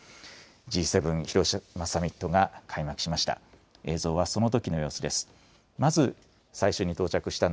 Ｇ７広島サミットが開幕しました。